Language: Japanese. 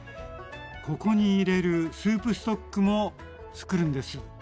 ここに入れるスープストックも作るんです。